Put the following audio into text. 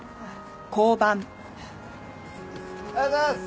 おはようございます！